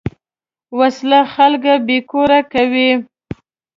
وسله خلک بېکور کوي